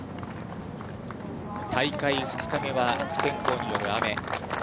大会２日目は悪天候による雨。